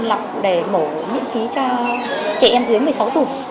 lọc để mổ miễn phí cho trẻ em dưới một mươi sáu tuổi